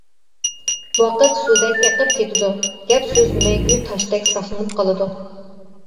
ۋاقىت سۇدەك ئېقىپ كېتىدۇ، گەپ-سۆز مەڭگۈ تاشتەك ساقلىنىپ قالىدۇ.